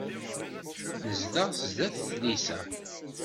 Nezdeɣ sdat tlisa.